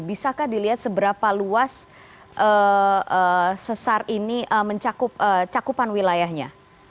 bisakah dilihat seberapa luas sesar ini cakupan wilayahnya